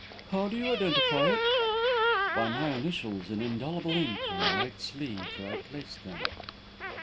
"How do you identify it?" "By my initials in indelible ink, on the right sleeve, where I placed them."